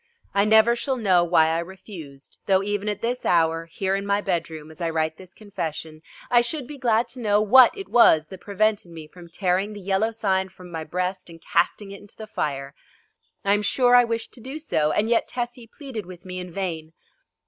I never shall know why I refused, though even at this hour, here in my bedroom as I write this confession, I should be glad to know what it was that prevented me from tearing the Yellow Sign from my breast and casting it into the fire. I am sure I wished to do so, and yet Tessie pleaded with me in vain.